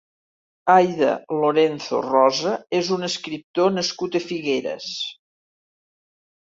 Aïda Lorenzo Rosa és un escriptor nascut a Figueres.